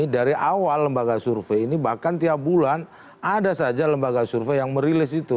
dari awal lembaga survei ini bahkan tiap bulan ada saja lembaga survei yang merilis itu